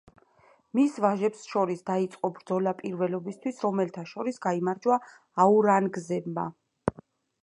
მის ვაჟებს შორის დაიწყო ბრძოლა პირველობისთვის, რომელთა შორის გაიმარჯვა აურანგზებმა.